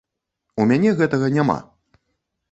У мяне гэтага няма.